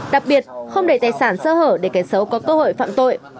đặc biệt không để tài sản sơ hở để kẻ xấu có cơ hội phạm tội